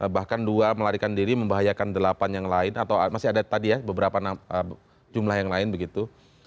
bahkan dua melarikan diri membahayakan delapan yang lain atau masih ada tadi ya beberapa jumlah yang lain begitu